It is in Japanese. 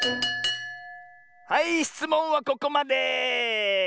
はいしつもんはここまで！